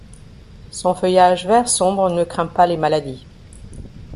Son feuillage vert sombre ne craint pas les maladies.